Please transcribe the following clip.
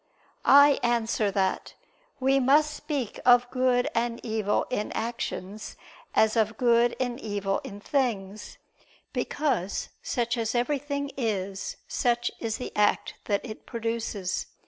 I answer that, We must speak of good and evil in actions as of good and evil in things: because such as everything is, such is the act that it produces.